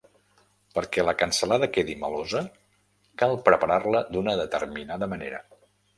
Perquè la cansalada quedi melosa, cal preparar-la d'una determinada manera.